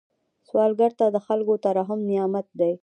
سوالګر ته د خلکو ترحم نعمت دی